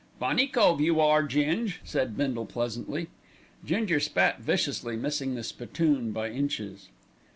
"Funny cove you are, Ging," said Bindle pleasantly. Ginger spat viciously, missing the spittoon by inches.